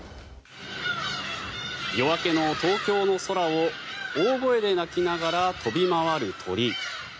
夜明けの東京の空を大声で鳴きながら飛び回る鳥。